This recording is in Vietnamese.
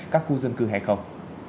các khu dân cư hay không